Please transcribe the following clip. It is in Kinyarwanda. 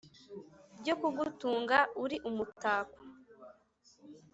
ryo kugutunga uri umutako